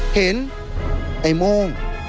เห็นไอ้โม่ง